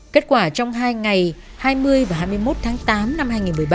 kết quả trong hai ngày hai mươi và hai mươi một tháng tám năm hai nghìn một mươi ba